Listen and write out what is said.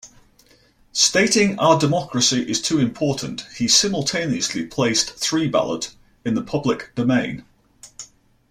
Stating "Our democracy is too important", he simultaneously placed ThreeBallot in the public domain.